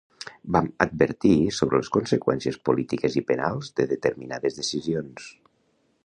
Vam advertir sobre les conseqüències polítiques i penals de determinades decisions.